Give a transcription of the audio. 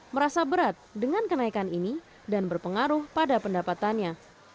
merasa berat dengan kenaikan ini dan berpengaruh pada pendapatannya